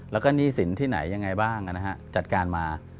แล้วก็หนี้สินที่ไหนยังไงบ้างจัดการมา